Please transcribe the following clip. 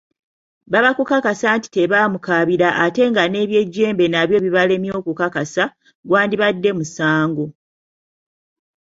Baba kukakasa nti tebaamukaabira, ate ng'eby'ejjembe nabyo bibalemye okukakasa, gwandibadde musango.